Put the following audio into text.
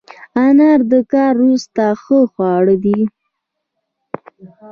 انار د کار وروسته ښه خواړه دي.